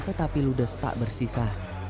tetapi ludas tak bersisa